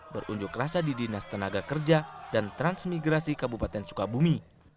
berunjuk rasa di dinas tenaga kerja dan transmigrasi kabupaten sukabumi